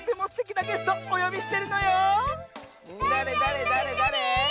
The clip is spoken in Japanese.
だれだれだれだれ？